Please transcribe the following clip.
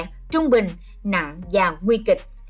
là nhẹ trung bình nặng và nguy kịch